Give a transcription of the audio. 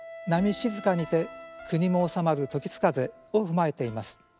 静かにて国も治まる時つ風」を踏まえています。